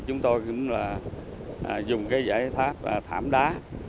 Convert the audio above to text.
chúng tôi cũng dùng giải tháp thảm đá